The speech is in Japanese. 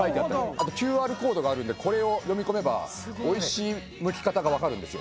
あとＱＲコードがあるんでこれを読み込めば美味しいむき方がわかるんですよ